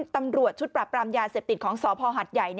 ตำรวจชุดปรับปรามยาเสพติดของสพหัดใหญ่